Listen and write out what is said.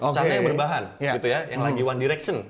celana yang berbahan yang lagi one direction